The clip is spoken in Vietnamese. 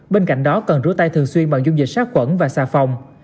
bên cạnh đó cần rửa tay thường xuyên bằng dung dịch sát khuẩn và xà phòng